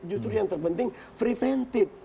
justru yang terpenting preventif